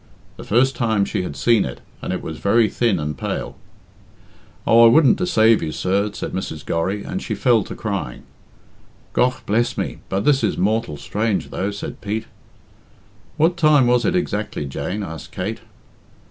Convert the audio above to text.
The first time she had seen it, and it was very thin and pale. "Oh, I wouldn't deceave you, sir," said Mrs. Gorry, and she fell to crying. "Gough bless me, but this is mortal strange, though," said Pete. "What time was it exactly, Jane?" asked Kate.